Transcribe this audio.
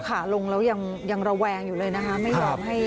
ขาลงแล้วยังระแวงอยู่เลยนะฮะ